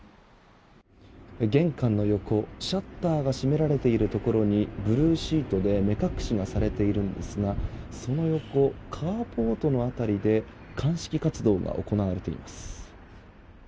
玄関の横、シャッターが閉められているところにブルーシートで目隠しがされているんですがその横、カーポートの辺りで鑑識活動が行われています。